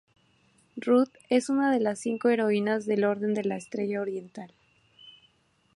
Rut es una de las Cinco Heroínas del Orden de la Estrella Oriental.